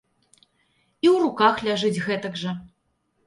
І ў руках ляжыць гэтак жа.